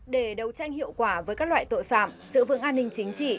để đấu tranh hiệu quả với các loại tội phạm giữ vững an ninh chính trị